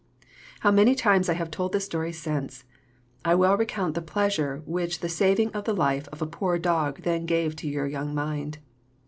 How many times I have told the story since! I well recollect the pleasure which the saving of the life of a poor dog then gave to your young mind.